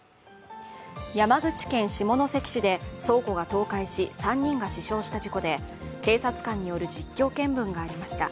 山口県下関市で倉庫が倒壊し３人が死傷した事故で、警察官による実況見分がありました。